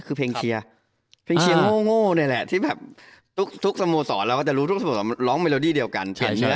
คือเพลงเชียร์เพลงเชียร์โง่นี่แหละที่แบบทุกสโมสรเราก็จะรู้ทุกสโมสรร้องเมโลดี้เดียวกันเชียร์